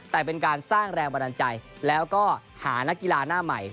แต่เป็นการสร้างแรงบันดาลใจแล้วก็หานักกีฬาหน้าใหม่